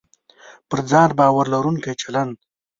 پر ځان باور لرونکی چلند